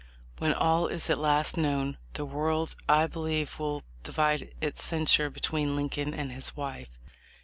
When all is at last known, the world I believe will divide its censure between Lin coln and his wife.